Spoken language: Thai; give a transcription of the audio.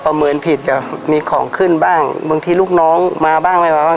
เมินผิดก็มีของขึ้นบ้างบางทีลูกน้องมาบ้างไม่มาบ้าง